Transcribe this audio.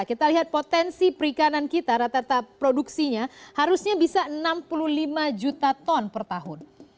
kita lihat potensi perikanan kita rata rata produksinya harusnya bisa enam puluh lima juta ton per tahun